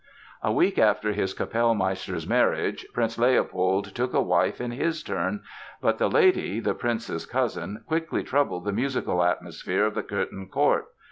A week after his Kapellmeister's marriage, Prince Leopold took a wife in his turn. But the lady, the prince's cousin, quickly troubled the musical atmosphere of the Cöthen court.